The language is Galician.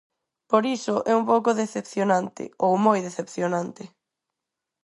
Por iso, é un pouco decepcionante, ou moi decepcionante.